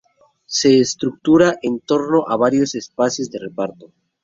Se estructura en torno a varios espacios de reparto.